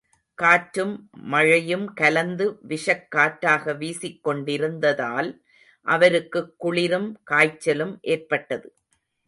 காற்றும் மழையும் கலந்து விஷக் காற்றாக வீசிக் கொண்டிருந்ததால், அவருக்குக் குளிரும், காய்ச்சலும் ஏற்பட்டது.